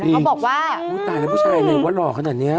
เขาบอกว่าอุ้ยตายแล้วผู้ชายเลยว่าหล่อขนาดนี้